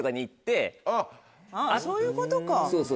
そういうことかそれで。